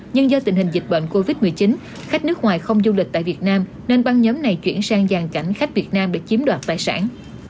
nhưng do tình hình dịch bệnh covid một mươi chín khách nước ngoài không du lịch tại việt nam nên băng nhóm này chuyển sang giàn cảnh khách việt nam để chiếm đoạt tài sản